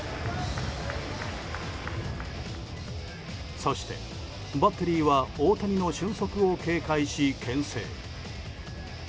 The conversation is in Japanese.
そしてバッテリーは大谷の俊足を警戒し、牽制。